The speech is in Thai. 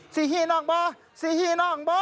ซีฮี่น้องบอซีฮี่น้องบอ